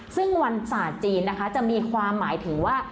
ซึ่งวันศาสตร์จีนนะคะจะมีความหมายถึงว่า